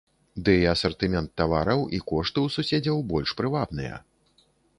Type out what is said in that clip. Ды і асартымент тавараў і кошты ў суседзяў больш прывабныя.